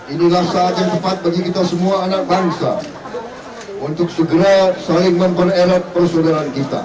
inilah saat yang tepat bagi kita semua anak bangsa untuk segera saling mempererat persaudaraan kita